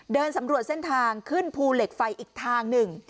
เดินสำรวจเส้นทางขึ้นภูเหล็กไฟอีกทางหนึ่ง